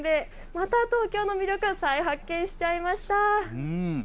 また東京の魅力、再発見しちゃいました。